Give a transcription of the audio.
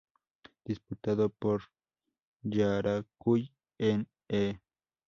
Diputado por Yaracuy en e!